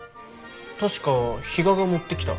確か比嘉が持ってきた。